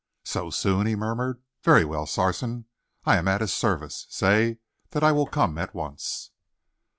"So soon," he murmured. "Very well, Sarson, I am at his service. Say that I will come at once."